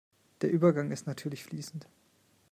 Der Übergang ist natürlich fließend.